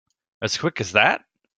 As quick as that?